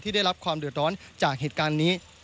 ได้รับความเดือดร้อนจากเหตุการณ์นี้